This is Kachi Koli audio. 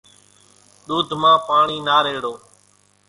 ۮوڌ مان پاڻِي نا ريڙو۔